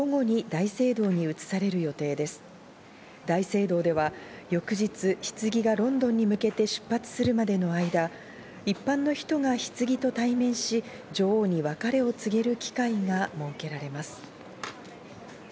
大聖堂では翌日ひつぎがロンドンに向けて出発するまでの間、一般の人がひつぎと対面し、女王に別れを告げる機会が設けられます。